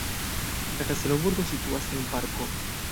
La kastelo-burgo situas en parko.